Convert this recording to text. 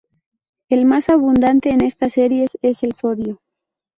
El más abundante en estas series es el sodio.